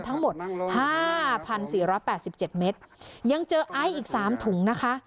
ทั้งหมดห้าพันสี่ร้อยแปดสิบเจ็ดเมตรยังเจอไอซ์อีก๓ถุงนะคะ